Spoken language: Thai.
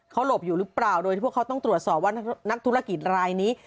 เขาหลบอยู่หรือเปล่าโดยที่พวกเขาต้องตรวจสอบว่านักธุรกิจรายนี้